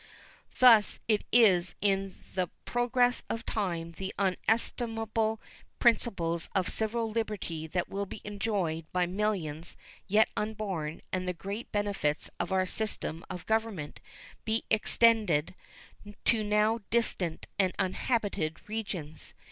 Thus it is that in the progress of time the inestimable principles of civil liberty will be enjoyed by millions yet unborn and the great benefits of our system of government be extended to now distant and uninhabited regions.